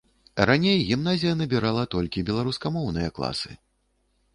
Раней гімназія набірала толькі беларускамоўныя класы.